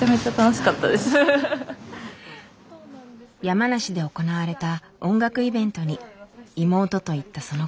山梨で行われた音楽イベントに妹と行ったその帰り道。